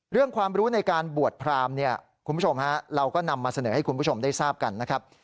ความรู้ในการบวชพรามเนี่ยคุณผู้ชมฮะเราก็นำมาเสนอให้คุณผู้ชมได้ทราบกันนะครับ